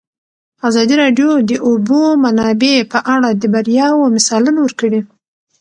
ازادي راډیو د د اوبو منابع په اړه د بریاوو مثالونه ورکړي.